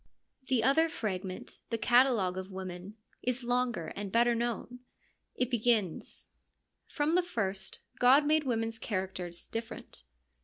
The other fragment, the catalogue of women, is longer and better known. It begins : From the first God made women's characters different.